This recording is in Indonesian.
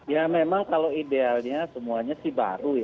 ya memang kalau idealnya semuanya sih baru ya